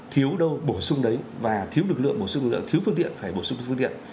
thiếu đâu bổ sung đấy và thiếu lực lượng bổ sung lực lượng thiếu phương tiện phải bổ sung phương tiện